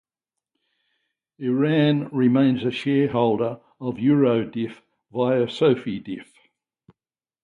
Iran remains a shareholder of Eurodif via Sofidif.